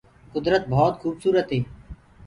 ڪُدرت ڀوت کوُبسوُرت هي۔